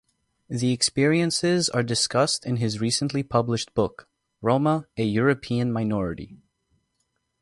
The experiences are discussed in his recently published book: Roma - A European Minority.